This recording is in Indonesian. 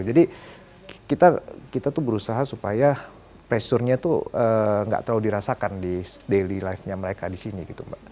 jadi kita tuh berusaha supaya pressure nya tuh gak terlalu dirasakan di daily life nya mereka di sini gitu mbak